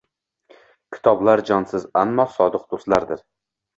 Kitoblar jonsiz, ammo sodiq do‘stlardir